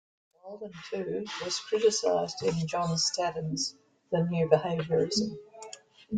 "Walden Two" was criticized in John Staddon's "The New Behaviorism".